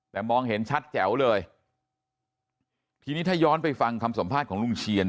แต่มองเห็นชัดแจ๋วเลยทีนี้ถ้าย้อนไปฟังคำสัมภาษณ์ของลุงเชียน